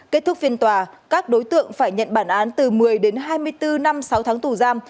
kết thúc phiên tòa các đối tượng phải nhận bản án từ một mươi đến hai mươi bốn năm sáu tháng tù giam